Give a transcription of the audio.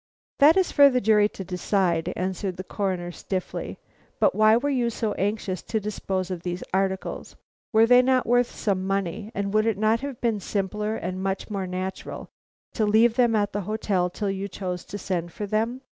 "That is for the jury to decide," answered the Coroner, stiffly. "But why were you so anxious to dispose of these articles? Were they not worth some money, and would it not have been simpler and much more natural to have left them at the hotel till you chose to send for them?